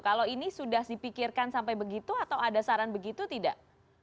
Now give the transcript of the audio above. kalau ini sudah dipikirkan sampai begitu atau ada saran begitu tidak